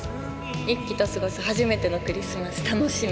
イッキと過ごす初めてのクリスマス楽しみ。